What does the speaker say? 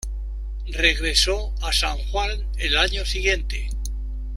Regresó a San Juan al año siguiente.